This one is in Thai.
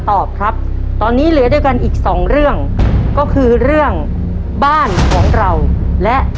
ตอบครับตอนนี้เหลือด้วยกันอีกสองเรื่องก็คือเรื่องบ้านของเราและ